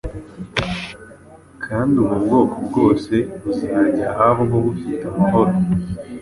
kandi ubu bwoko bwose buzajya ahabwo bufite amahoro.